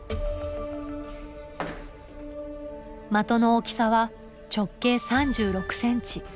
的の大きさは直径３６ｃｍ。